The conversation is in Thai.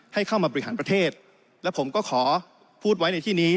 ให้เข้ามาบริหารประเทศและผมก็ขอพูดไว้ในที่นี้